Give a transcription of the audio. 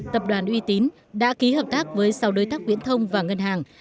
tập đoàn uy tín đã ký hợp tác với sáu đối tác viễn thông và ngân hàng